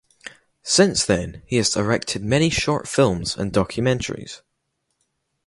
Since then he has directed many short films and documentaries.